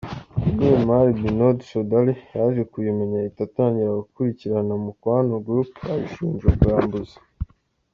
Umunyemari Binod Chaudhary yaje kubimenya ahita atangira gukurikirana Mukwano Group ayishinja ubwambuzi.